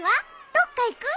どっか行く？